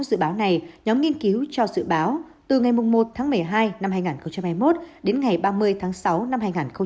dự báo này nhóm nghiên cứu cho dự báo từ ngày một tháng một mươi hai năm hai nghìn hai mươi một đến ngày ba mươi tháng sáu năm hai nghìn hai mươi